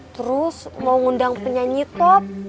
terus mau ngundang penyanyi top